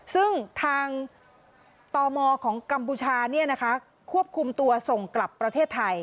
ซึ่งทางตอมอล์ของกำบุชาเนี้ยนะคะควบคุมตัวส่งกลับประเทศไทย